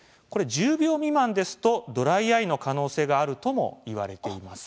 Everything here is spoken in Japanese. １０秒未満ですと、ドライアイの可能性があるとも言われています。